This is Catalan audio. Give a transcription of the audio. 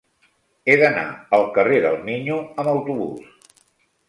He d'anar al carrer del Miño amb autobús.